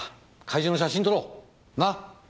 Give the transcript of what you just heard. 会場の写真撮ろうな！